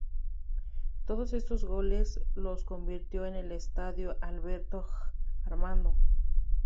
Todos estos goles los convirtió en el Estadio Alberto J. Armando.